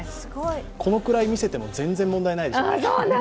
このくらい見せても全然問題ないでしょう。